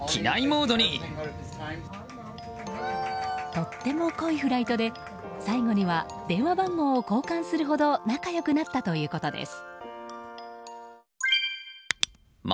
とっても濃いフライトで最後には電話番号を交換するほど仲良くなったということです。